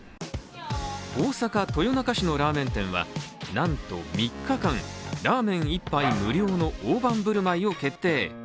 大阪豊中市のラーメン店はなんと３日間、ラーメン１杯無料の大盤振る舞いを決定。